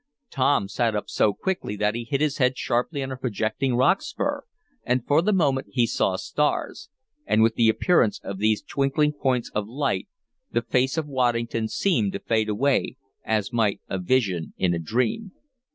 Tom sat up so quickly that he hit his head sharply on a projecting rock spur, and, for the moment he "saw stars." And with the appearance of these twinkling points of light the face of Waddington seemed to fade away, as might a vision in a dream.